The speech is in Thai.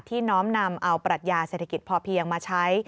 น้อมนำเอาปรัชญาเศรษฐกิจพอเพียงมาใช้